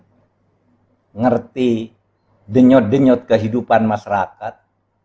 mengerti denyut denyut kehidupan masyarakat